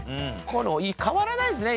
変わらないですね